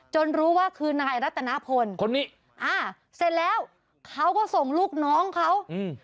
จนรู้ว่าคือนายรัฐนพลเสร็จแล้วเขาก็ส่งลูกน้องเขา